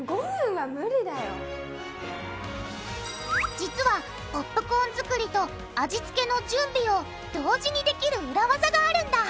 実はポップコーン作りと味付けの準備を同時にできる裏ワザがあるんだ。